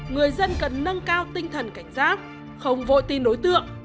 người dân cần nâng cao tinh thần cảnh giác không vô tin đối tượng